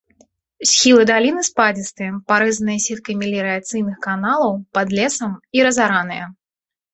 Схілы даліны спадзістыя, парэзаныя сеткай меліярацыйных каналаў, пад лесам і разараныя.